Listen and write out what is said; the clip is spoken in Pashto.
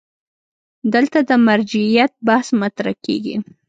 دلته د مرجعیت بحث مطرح کېږي.